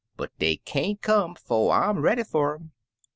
But dey can't come 'fo' I 'm ready fpr um.'